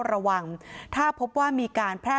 ก็จะสั่งปิดทันทีโดยไม่มีข้อแม้เหมือนกันค่ะ